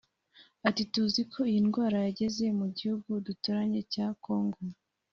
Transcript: Ati “Tuzi ko iyi ndwara yageze mu gihugu duturanye cya Kongo